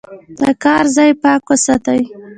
د کار ځای پاک وساتئ.